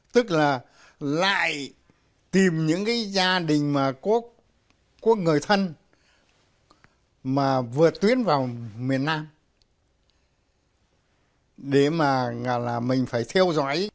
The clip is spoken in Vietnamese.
tức là lại tìm những gia đình có người thân mà vượt tuyến vào miền nam để mà mình phải theo dõi